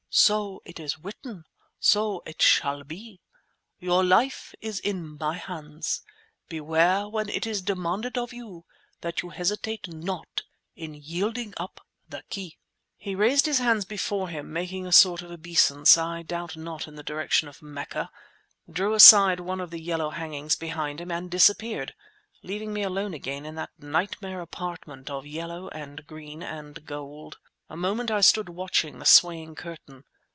So it is written, so it shall be. Your life is in my hands; beware when it is demanded of you that you hesitate not in yielding up the key!" He raised his hands before him, making a sort of obeisance, I doubt not in the direction of Mecca, drew aside one of the yellow hangings behind him and disappeared, leaving me alone again in that nightmare apartment of yellow and green and gold. A moment I stood watching the swaying curtain.